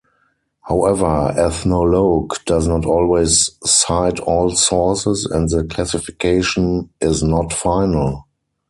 However, Ethnologue does not always cite all sources and the classification is not final.